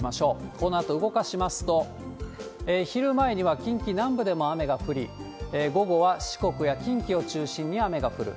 このあと動かしますと、昼前には近畿南部でも雨が降り、午後は四国や近畿を中心に雨が降る。